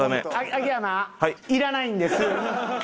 秋山いらないんです。